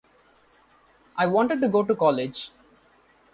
I wanted to go to college.